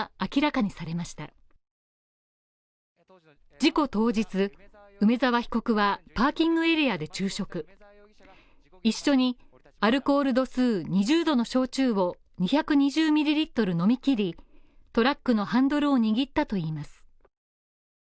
当時、事故当日、梅沢被告はパーキングエリアで昼食一緒にアルコール度数２０度の焼酎２２０ｍｌ飲みきりトラックのハンドルを握ったといいます。